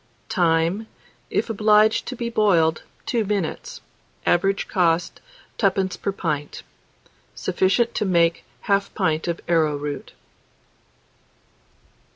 Time. If obliged to be boiled, 2 minutes. Average cost, 2d. per pint. Sufficient to make 1/2 pint of arrowroot.